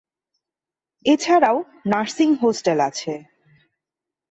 এছাড়াও nursing hostel আছে।